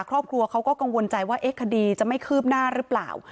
ครอบครัวเขาก็กังวลใจว่าคดีจะไม่คืบหน้าหรือเปล่า